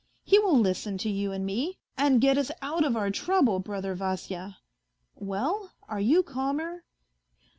He will listen to you and me, and get us out of our trouble, brother Vasya. Well, are you calmer